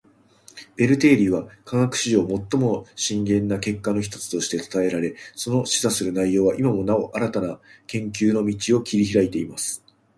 ベル定理は科学史上最も深遠な結果の一つとして讃えられ，その示唆する内容は今もなお新たな研究の道を切り拓いています．